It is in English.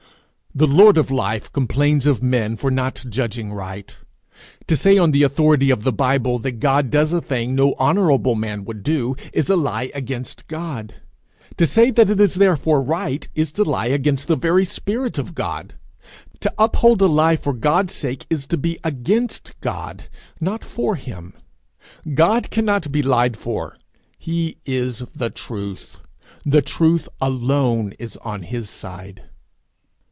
The lord of life complains of men for not judging right. To say on the authority of the Bible that God does a thing no honourable man would do, is to lie against God; to say that it is therefore right, is to lie against the very spirit of God. To uphold a lie for God's sake is to be against God, not for him. God cannot be lied for. He is the truth. The truth alone is on his side.